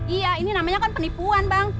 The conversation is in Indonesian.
iya ini namanya kan penipuan bang